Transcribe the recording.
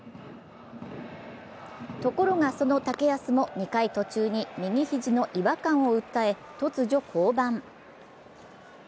ところが、その竹安も２回途中に右肘の違和感を訴え突如、降板。